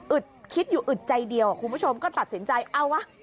คิดอยู่อึดใจเดียวคุณผู้ชมก็ตัดสินใจเอาวะ